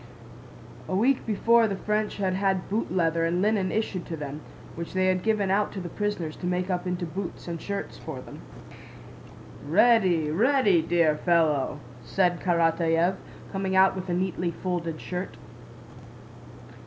A week before the French had had boot leather and linen issued to them, which they had given out to the prisoners to make up into boots and shirts for them. "Ready, ready, dear fellow!" said Karatáev, coming out with a neatly folded shirt.